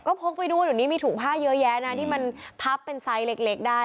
ก็พกไปด้วยเดี๋ยวนี้มีถุงผ้าเยอะแยะนะที่มันพับเป็นไซส์เล็กได้